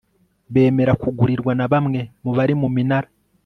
bemera kugurirwa na bamwe mu bari mu minara